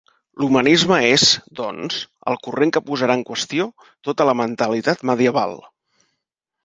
L’Humanisme és, doncs, el corrent que posarà en qüestió tota la mentalitat medieval.